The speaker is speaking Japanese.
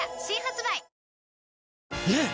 ねえ‼